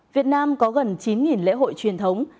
việt nam có gần chín lễ hội truyền thống